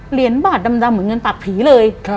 เหรียญบาทดำเหมือนเงินตัดผีเลย